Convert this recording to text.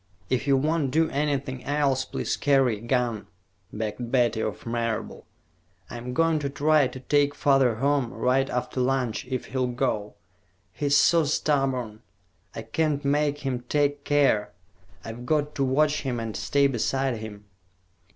"If you won't do anything else, please carry a gun," begged Betty of Marable. "I'm going to try to take father home, right after lunch, if he'll go. He's so stubborn. I can't make him take care. I've got to watch him and stay beside him."